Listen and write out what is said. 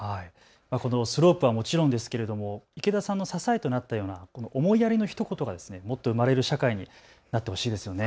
このスロープはもちろんですけれども池田さんの支えとなったような思いやりのひと言がもっと生まれる社会になってほしいですよね。